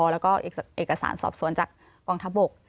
แล้วก็เอกสารสอบสวนจากกองทัพบก